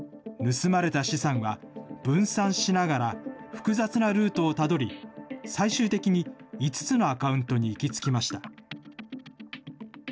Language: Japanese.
盗まれた資産は、分散しながら複雑なルートをたどり、最終的に５つのアカウントに行きつきました。